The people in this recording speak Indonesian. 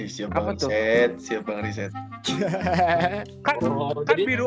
siap bang reset siap bang reset